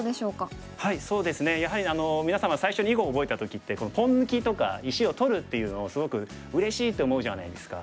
そうですねやはり皆様最初に囲碁を覚えた時ってポン抜きとか石を取るっていうのをすごくうれしいって思うじゃないですか。